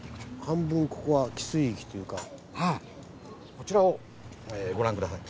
こちらをご覧下さい。